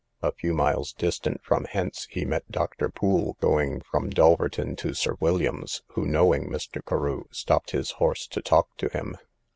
A few miles distant from hence he met Dr. Poole going from Dulverton to Sir William's, who, knowing Mr. Carew, stopped his horse to talk to him.